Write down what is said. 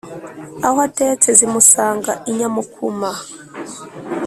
aho atetse zimusanga i nyamukuma.